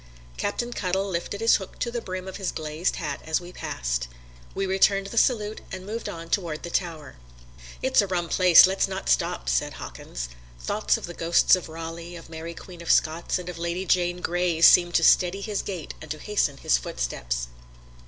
Captain Cuttle lifted his hook to the brim of his glazed hat as we passed. We returned the salute and moved on toward the Tower. "It's a rum place; let's not stop," said Hawkins. Thoughts of the ghosts of Raleigh, of Mary Queen of Scots and of Lady Jane Grey seemed to steady his gait and to hasten his footsteps.